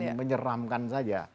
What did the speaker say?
bikin menyeramkan saja